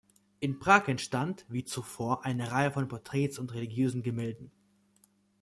In Prag entstand, wie zuvor, eine Reihe von Porträts und religiösen Gemälden.